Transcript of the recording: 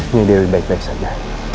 ini diri baik baik saja